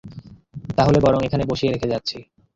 তাহলে বরং এখানে বসিয়ে রেখে যাচ্ছি।